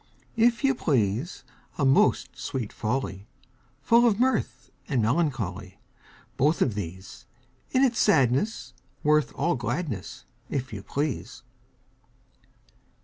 If you please, A most sweet folly! Full of mirth and melancholy: Both of these! In its sadness worth all gladness, If you please!